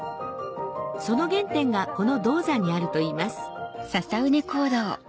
その原点がこの銅山にあるといいますこんにちは。